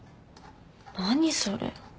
何それ。